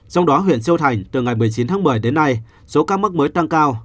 trong đó huyện châu thành từ ngày một mươi chín tháng một mươi đến nay số ca mắc mới tăng cao